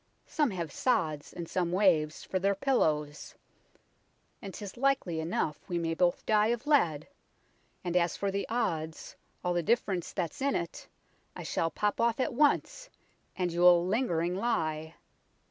some have sods, and some waves, for their pillows, And 'tis likely enough we may both die of lead, And as for the odds, all the diff'rence that's in it, I shall pop off at once, and you'll lingering lie.'